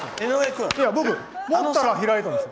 持ったら開いたんです。